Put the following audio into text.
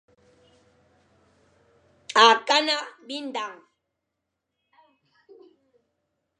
Akana bindañ.